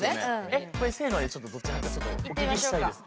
えっこれせのでちょっとどっち派かちょっとお聞きしたいです。